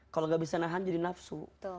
kalau tidak bisa menahan jadi nafsu